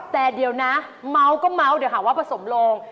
แต่เดี๋ยวนะเมาก็เมาส์เดี๋ยวหาว่าผสมโลง